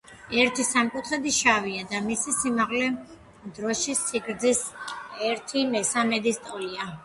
ერთი სამკუთხედი შავია და მისი სიმაღლე დროშის სიგრძის ერთი მესამედის ტოლია.